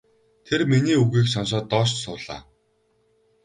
Тэр миний үгийг сонсоод доош суулаа.